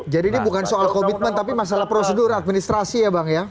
jadi ini bukan soal komitmen tapi masalah prosedur administrasi ya bang ya